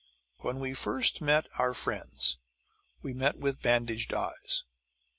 When we first met our friends we met with bandaged eyes.